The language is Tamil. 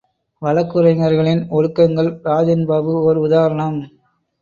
வழக்குரைஞர்களின் ஒழுக்கங்கள் ராஜன் பாபு ஓர் உதாரணம்!